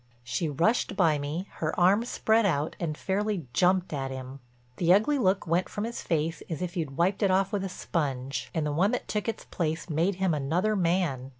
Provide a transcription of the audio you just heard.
She rushed by me, her arms spread out, and fairly jumped at him. The ugly look went from his face as if you'd wiped it off with a sponge, and the one that took its place made him another man.